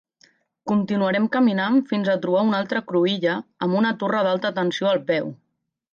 Continuarem caminant fins a trobar una altra cruïlla, amb una torre d'alta tensió al peu.